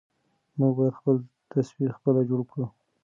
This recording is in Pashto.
موږ بايد خپل تصوير خپله جوړ کړو.